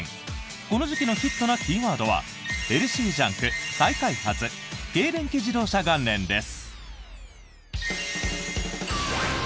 この時期のヒットなキーワードはヘルシージャンク、再開発軽電気自動車元年です。